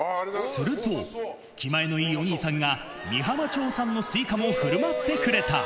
すると、気前のいいお兄さんが、御浜町産のスイカもふるまってくれた。